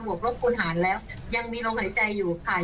บวกโรคคุณหารแล้วยังมีโรคหายใจอยู่ค่ะ